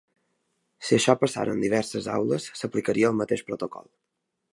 Si això passara en diverses aules, s’aplicaria el mateix protocol.